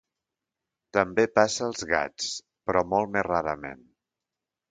També passa als gats, però molt més rarament.